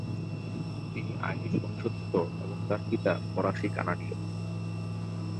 তিনি আইরিশ বংশোদ্ভূত এবং তার পিতা ফরাসি কানাডীয়।